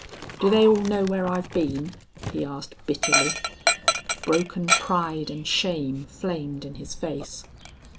"Do they all know where I've been?" he asked, bitterly. Broken pride and shame flamed in his face.